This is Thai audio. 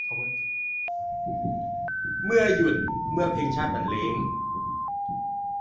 เมื่อหยุด เมื่อเพลงชาติบรรเลง